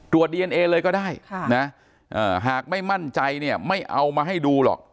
ดีเอนเอเลยก็ได้นะหากไม่มั่นใจเนี่ยไม่เอามาให้ดูหรอก